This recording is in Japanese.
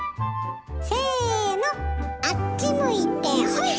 せのあっち向いてホイ！